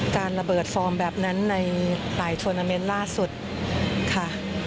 การระเบิดฟอร์มแบบนั้นในหลายทวนาเมนต์ล่าสุดค่ะ